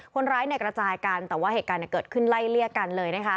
คนร้ายกระจายกันแต่ว่าเหตุการณ์เกิดขึ้นไล่เลี่ยกันเลยนะคะ